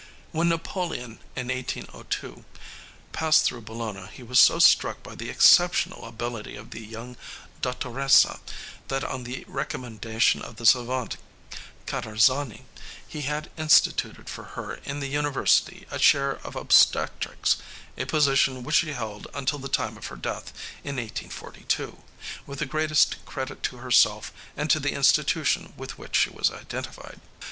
When Napoleon, in 1802, passed through Bologna he was so struck by the exceptional ability of the young dottoressa that, on the recommendation of the savant Caterzani, he had instituted for her in the university a chair of obstetrics a position which she held until the time of her death, in 1842, with the greatest credit to herself and to the institution with which she was identified.